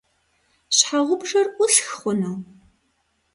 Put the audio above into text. Щхьэгъубжэр ӏусх хъуну?